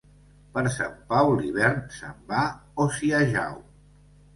Per Sant Pau l'hivern se'n va o s'hi ajau.